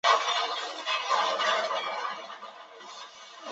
明石烧的话基本上是以铜制器具制作。